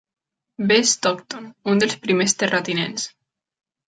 B. Stockton, un dels primers terratinents.